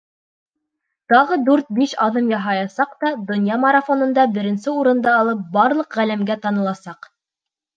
Тағы дүрт-биш аҙым яһаясаҡ та, донъя марафонында беренсе урынды алып, барлыҡ ғаләмгә таныласаҡ...